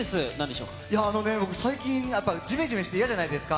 あのね、僕、最近、じめじめしてて、嫌じゃないですか。